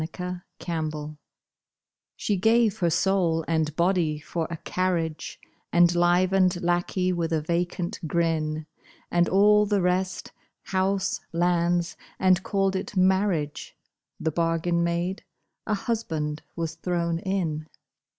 THE WATCHER She gave her soul and body for a carriage, And livened lackey with a vacant grin, And all the rest—house, lands—and called it marriage: The bargain made, a husband was thrown in.